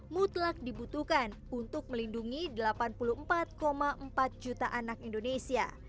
mutlak dibutuhkan untuk melindungi delapan puluh empat empat juta anak indonesia